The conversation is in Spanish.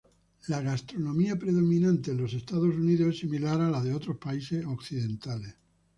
La gastronomía predominante en Estados Unidos es similar a la de otros países occidentales.